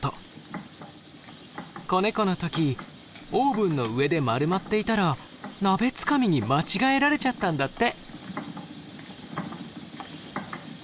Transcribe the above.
子ネコの時オーブンの上で丸まっていたら鍋つかみに間違えられちゃったんだって。